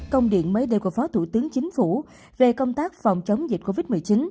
công điện mới đây của phó thủ tướng chính phủ về công tác phòng chống dịch covid một mươi chín